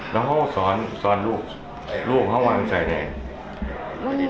แล้วเขาสอนสอนลูกลูกเขาวางใส่เนี่ย